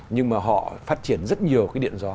nhưng mà họ phát triển rất nhiều cái điện gió